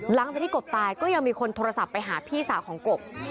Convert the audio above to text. หลังจากที่กบตายก็ยังมีคนโทรศัพท์ไปหาพี่สาวของกบ